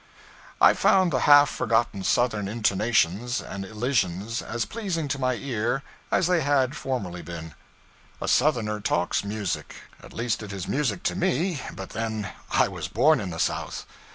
I found the half forgotten Southern intonations and elisions as pleasing to my ear as they had formerly been. A Southerner talks music. At least it is music to me, but then I was born in the South.